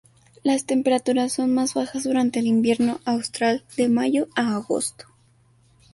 Las temperaturas son más bajas durante el invierno austral, de mayo a agosto.